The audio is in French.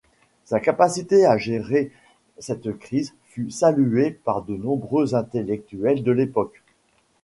Sa capacité à gérer cette crise fut saluée par de nombreux intellectuels de l'époque.